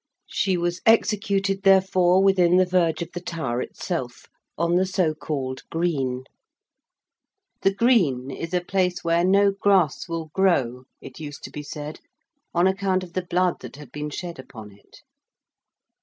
She was executed therefore within the verge of the Tower itself, on the so called 'Green.' 'The Green' is a place where no grass will grow it used to be said on account of the blood that had been shed upon it.